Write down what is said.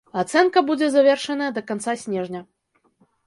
Ацэнка будзе завершаная да канца снежня.